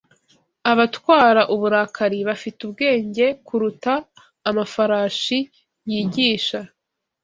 Abatwara uburakari bafite ubwenge kuruta amafarashi yigisha